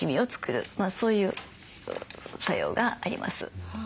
そういう作用があります。